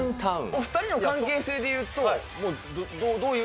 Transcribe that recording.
お２人の関係性でいうと、どういう？